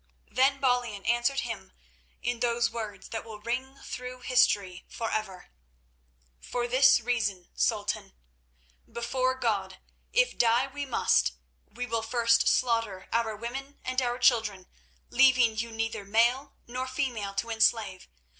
Then Balian answered him in those words that will ring through history forever. "For this reason, Sultan. Before God, if die we must, we will first slaughter our women and our little children, leaving you neither male nor female to enslave.